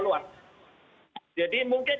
luar jadi mungkin